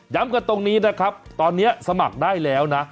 กันตรงนี้นะครับตอนนี้สมัครได้แล้วนะ